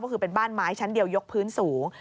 ก็คือเป็นบ้านไม้ชั้นเดียวยกพื้นสูง